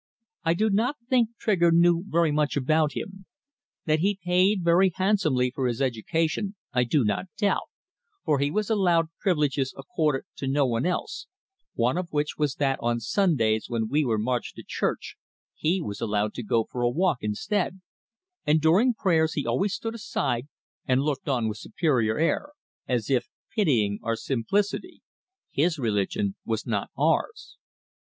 I do not think Trigger knew very much about him. That he paid very handsomely for his education I do not doubt, for he was allowed privileges accorded to no one else, one of which was that on Sundays when we were marched to church he was allowed to go for a walk instead, and during prayers he always stood aside and looked on with superior air, as if pitying our simplicity. His religion was not ours.